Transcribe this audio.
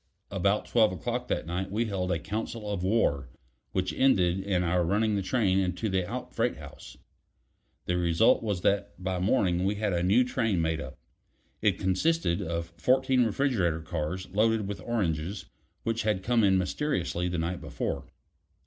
About twelve o'clock that night we held a council of war, which ended in our running the train into the out freight house. The result was that by morning we had a new train made up. It consisted of fourteen refrigerator cars loaded with oranges which had come in mysteriously the night before.